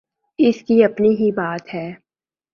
اس کی اپنی ہی بات ہے۔